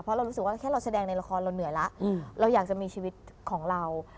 เพราะเรารู้สึกว่าแค่เราแสดงในละครเราเหนื่อยแล้วเราอยากจะมีชีวิตของเรา